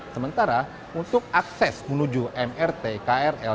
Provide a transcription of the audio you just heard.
sementara untuk akses menuju mrt krl